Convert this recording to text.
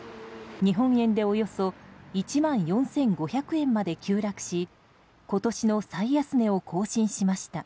日本円でおよそ１万４５００円まで急落し今年の最安値を更新しました。